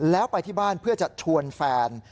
แล้วไปที่บ้านเพื่อจะชวนแฟน